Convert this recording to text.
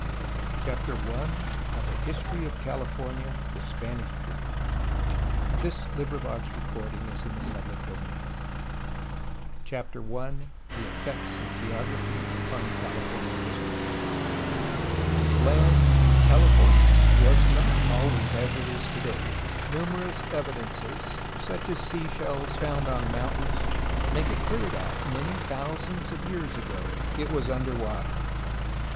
i 270 Juan Bautista de Anza 294 A HISTORY OF CALIFORNIA THE SPANISH PERIOD A HISTORY OF CALIFORNIA CHAPTER I THE EFFECTS OF GEOGRAPHY UPON CALIFORNIA HISTORY The land California was not always as it is today. Nu merous evidences, such as sea shells found on mountains, make it clear that, many thousand years ago, it was under water.